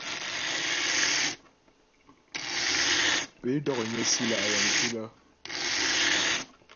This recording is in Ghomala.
Pé dó'nyə́ si lá' yəŋ kilə́ ?